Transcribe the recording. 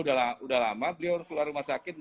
sudah lama beliau keluar rumah sakit